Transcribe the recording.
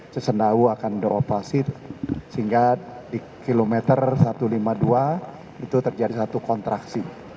sesendawu akan beroperasi sehingga di kilometer satu ratus lima puluh dua itu terjadi satu kontraksi